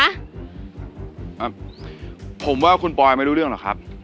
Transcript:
อ่ะผมว่าคุณปอยไม่รู้เรื่องหรอกครับ